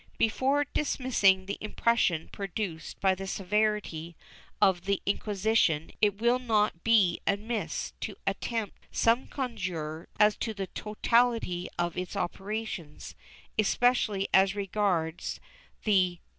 ^ Before dismissing the impression produced by the severity of the Inquisition it will not be amiss to attempt some conjecture as to the totality of its operations, especially as regards the burn ' Archive de Simaiicas, Inq.